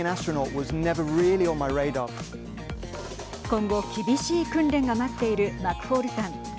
今後、厳しい訓練が待っているマクフォールさん。